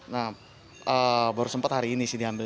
nah baru sempat hari ini sih diambil